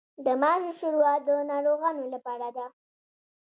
د ماشو شوروا د ناروغانو لپاره ده.